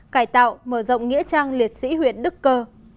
cải tạo mở rộng nghĩa trang liệt sĩ huyện đức cơ